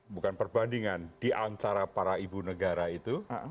bukan perbandingan di antara para ibu negara itu